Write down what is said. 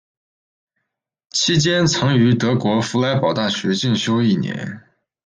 期间曾于德国佛莱堡大学进修一年。